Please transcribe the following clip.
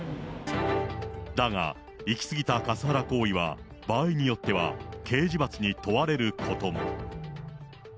だが、行き過ぎたカスハラ行為は、場合によっては刑事罰に問われることも。